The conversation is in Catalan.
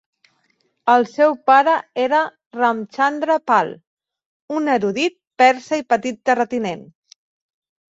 El seu pare era Ramchandra Pal, un erudit persa i petit terratinent.